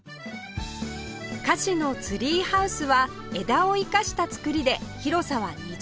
かしのツリーハウスは枝を生かした造りで広さは２畳ほど